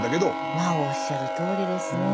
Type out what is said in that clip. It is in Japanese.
まあおっしゃるとおりですねえ。